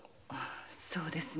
そうですね。